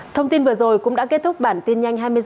thông tin vừa rồi cũng đã kết thúc bản tin nhanh hai mươi h